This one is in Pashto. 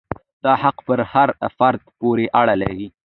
دا حقوق پر هر فرد پورې اړه لري.